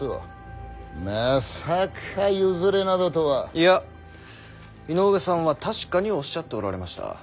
いや井上さんは確かにおっしゃっておられました。